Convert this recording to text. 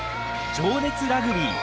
「情熱ラグビー」